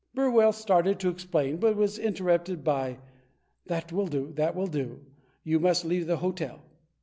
Burwell started to explain, but was interrupted by: "That will do, that will do. You must leave the hotel."